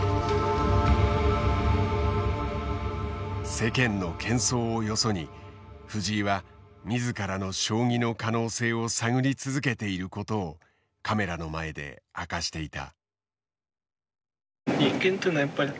世間のけん騒をよそに藤井は自らの将棋の可能性を探り続けていることをカメラの前で明かしていた。